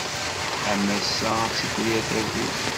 Am ass-a, ad tifrir tagut.